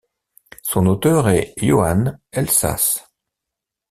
Son auteur est Johann Elsass.